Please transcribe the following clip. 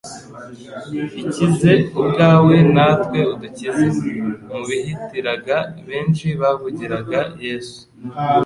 Ikize ubwawe, natwe udukize." Mu bihitiraga, benshi bavugiraga Yesu,